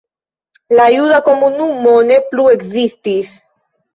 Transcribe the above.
La juda komunumo ne plu ekzistis.